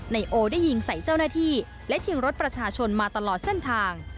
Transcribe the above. นายโอได้ยิงใส่เจ้าหน้าที่และชิงรถประชาชนมาตลอดเส้นทาง